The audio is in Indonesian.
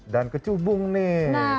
dan kecubung nih